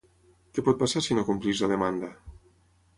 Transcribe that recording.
Què pot passar si no compleix la demanda?